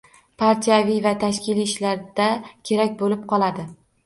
Partiyaviy-tashkiliy ishlarda kerak bo‘lib qoladi.